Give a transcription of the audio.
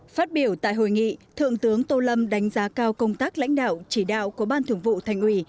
phát biểu tại hội nghị thượng tướng tô lâm đánh giá cao công tác lãnh đạo chỉ đạo của ban thường vụ thành ủy